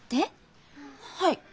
はい。